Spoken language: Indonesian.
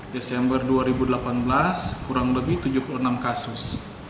desember dua ribu delapan belas kurang lebih tujuh puluh enam kasus